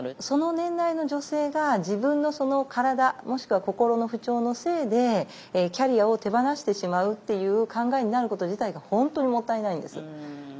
その年代の女性が自分の体もしくは心の不調のせいでキャリアを手放してしまうっていう考えになること自体が本当にもったいないんです。